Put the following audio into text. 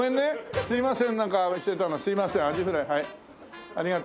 すいません。